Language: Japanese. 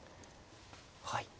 はい。